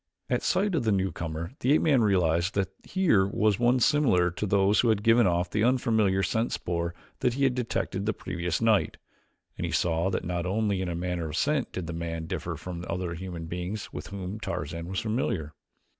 At sight of the newcomer the ape man realized that here was one similar to those who had given off the unfamiliar scent spoor that he had detected the previous night, and he saw that not only in the matter of scent did the man differ from other human beings with whom Tarzan was familiar.